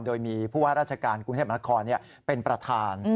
โดยมีผู้ว่าราชการกรุงเทพมนาคมเป็นประธาน